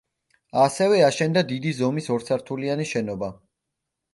ასევე, აშენდა დიდი ზომის, ორსართულიანი შენობა.